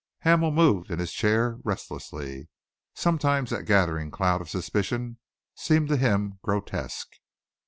Hamel moved in his chair restlessly. Sometimes that gathering cloud of suspicion seemed to him grotesque.